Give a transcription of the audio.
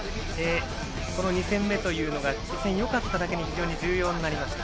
２戦目というのがよかっただけに非常に重要になりました。